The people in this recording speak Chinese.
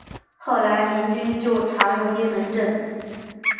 后来民军就常用阴门阵。